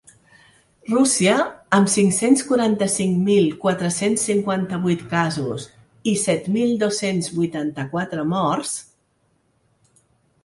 Rússia, amb cinc-cents quaranta-cinc mil quatre-cents cinquanta-vuit casos i set mil dos-cents vuitanta-quatre morts.